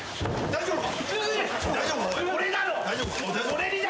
大丈夫か？